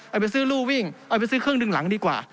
ไปซื้อรูวิ่งเอาไปซื้อเครื่องหนึ่งหลังดีกว่า